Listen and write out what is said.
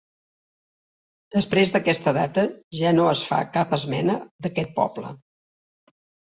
Després d'aquesta data ja no es fa cap esmena d'aquest poble.